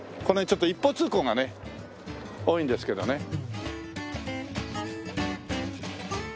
この辺ちょっと一方通行がね多いんですけどね。